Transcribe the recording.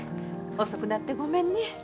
遅くなってごめんね。